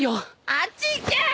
あっち行け！